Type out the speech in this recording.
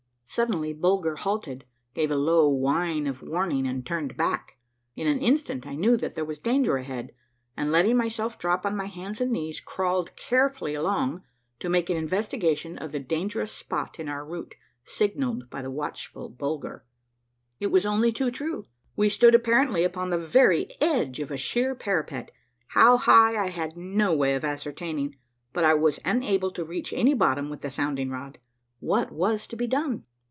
Suddenly Bulger halted, gave a low whine of warning, and turned back. In an instant I knew that there was danger ahead, and letting myself drop on my hands 210 A MARVELLOUS UNDERGROUND JOURNEY and knees crawled carefully along to make an investigation of the dangerous spot in our route signalled by the watchful Bulger. It was only too true : we stood apparently upon the very edge of a sheer parapet, how high I had no way of ascertaining, but I was unable to reach any bottom with the sounding rod. What was to be done?